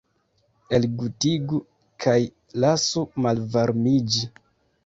Elgutigu kaj lasu malvarmiĝi.